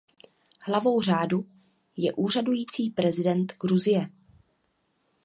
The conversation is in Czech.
Hlavou řádu je úřadující prezident Gruzie.